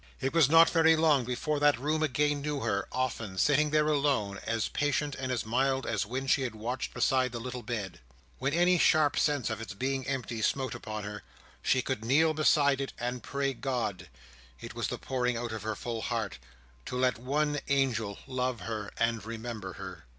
It was not very long before that room again knew her, often; sitting there alone, as patient and as mild as when she had watched beside the little bed. When any sharp sense of its being empty smote upon her, she could kneel beside it, and pray GOD—it was the pouring out of her full heart—to let one angel love her and remember her.